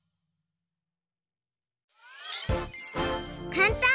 かんたん！